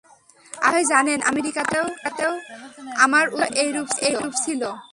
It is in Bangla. আপনি বোধ হয় জানেন, আমেরিকাতেও আমার উদ্দেশ্য এইরূপ ছিল।